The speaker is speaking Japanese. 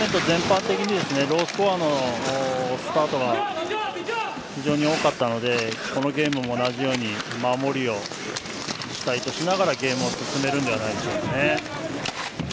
全般的にロースコアのスタートが非常に多かったのでこのゲームも同じように守りを主体としながら、ゲームを進めるんじゃないでしょうか。